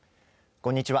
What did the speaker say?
こんにちは。